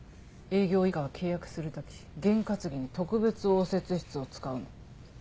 営業一課は契約する時験担ぎに特別応接室を使うの。